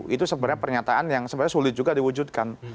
itu sebenarnya pernyataan yang sebenarnya sulit juga diwujudkan